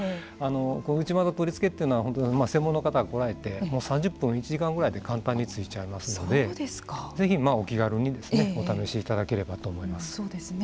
内窓の取り付けというのは本当に専門の方が来られて３０分、１時間ぐらいで簡単についちゃいますのでぜひ、お気軽にお試しいただければと思います。